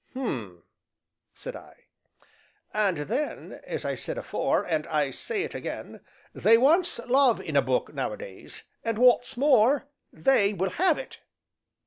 "Hum!" said I. "And then, as I said afore and I say it again, they wants love in a book nowadays, and wot's more they will have it."